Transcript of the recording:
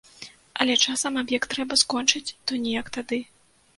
Але часам аб'ект трэба скончыць, то ніяк тады.